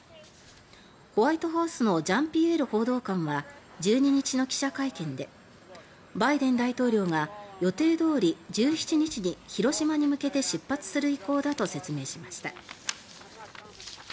ホワイトハウスのジャンピエール報道官は１２日の記者会見でバイデン大統領が予定どおり１７日に広島に向けて出発する意向だと説明しました。